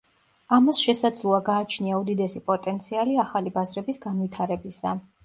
ამას შესაძლოა გააჩნია უდიდესი პოტენციალი ახალი ბაზრების განვითარებისა.